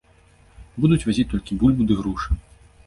Будуць вазіць толькі бульбу ды грушы.